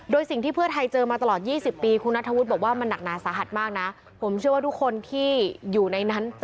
โดยสิ่งที่เพื่อไทยเจอมาตลอด๒๐ปี